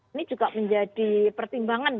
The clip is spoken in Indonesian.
ini juga menjadi pertimbangan